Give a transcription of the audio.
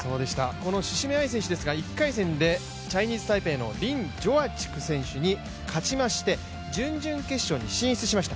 この志々目愛選手ですが、１回戦でチャイニーズタイペイのリン選手にかちまして、準々決勝に進出しました。